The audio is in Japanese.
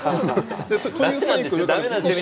そういうサイクル駄目なんですよ